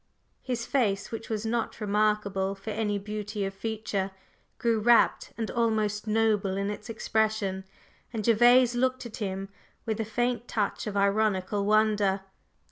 His face, which was not remarkable for any beauty of feature, grew rapt and almost noble in its expression, and Gervase looked at him with a faint touch of ironical wonder.